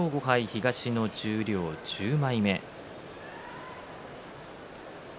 東の十両１０枚目。